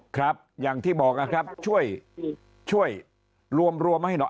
ครับอย่างที่บอกนะครับช่วยช่วยรวมมาให้หน่อย